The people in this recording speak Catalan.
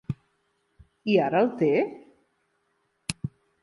I ara el té?